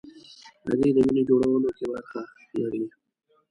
هګۍ د وینې جوړولو کې برخه لري.